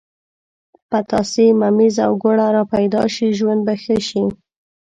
پتاسې، ممیز او ګوړه را پیدا شي ژوند به ښه شي.